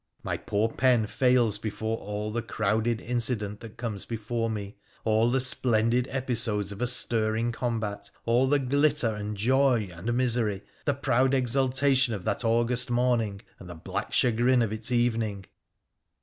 My poor pen fails before all the crowded incident that comes before me, all the splendid episodes of a stirring combat, all the glitter and joy and misery, the proud exulta tion of that August morning and the black chagrin of its evening.